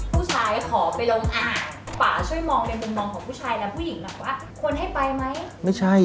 ผู้ชายขอไปลงอาหารป่าช่วยมองในมุมมองของผู้ชายและผู้หญิงแหละวะควรให้ไปไหม